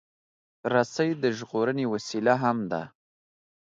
رسۍ د ژغورنې وسیله هم ده.